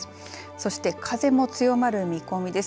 そして風も強まる見込みです。